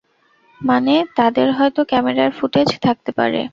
মানে, তাদের হয়তো ক্যামেরার ফুটেজ থাকতে পারে।